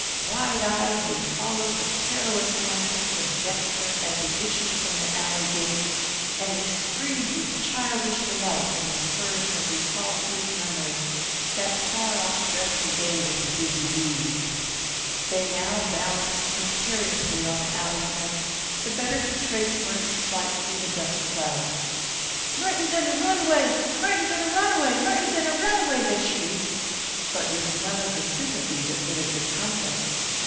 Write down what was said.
Wide eyed, they followed the perilous antics of Dexter as he issued from the alley gate, and they screamed with childish delight when the spurs had recalled to his memory that far off dreadful day with the busy bees. They now balanced precariously on the alley fence, the better to trace Merton's flight through the dust cloud. "Merton's in a runaway, Merton's in a runaway, Merton's in a runaway!" they shrieked, but with none of the sympathy that would have become them.